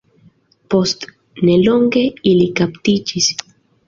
Post nelonge ili kaptiĝis.